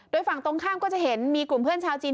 โดยฝั่งตรงข้ามก็จะเห็นมีกลุ่มเพื่อนชาวจีน